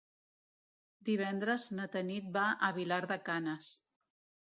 Divendres na Tanit va a Vilar de Canes.